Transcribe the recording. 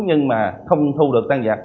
nhưng mà không thu được tàng vật